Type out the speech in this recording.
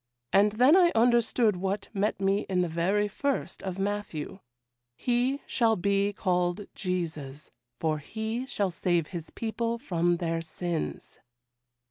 And then I understood what met me in the very first of Matthew, "He shall be called Jesus, for He shall save His people from their sins."